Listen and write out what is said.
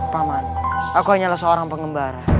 pak man aku hanyalah seorang pengembara